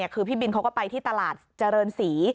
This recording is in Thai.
คือพี่บินเขาก็ไปที่ตลาดเจริญศรี